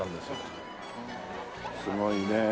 すごいね。